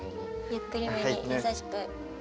ゆっくりめに優しく。